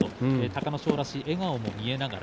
隆の勝らしい笑顔も見えました。